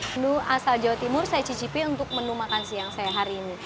menu asal jawa timur saya cicipi untuk menu makan siang saya hari ini